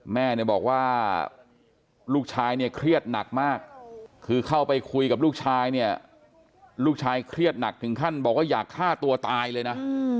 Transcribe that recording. แม่เนี่ยบอกว่าลูกชายเนี่ยเครียดหนักมากคือเข้าไปคุยกับลูกชายเนี่ยลูกชายเครียดหนักถึงขั้นบอกว่าอยากฆ่าตัวตายเลยนะ